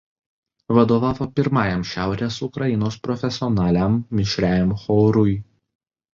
Vadovavo pirmajam Šiaurės Ukrainos profesionaliam mišriajam chorui.